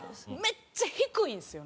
めっちゃ低いんですよ